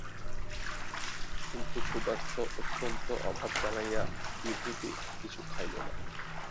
কিন্তু ক্ষুধার অত্যন্ত অভাব জানাইয়া বিভূতি কিছু খাইল না।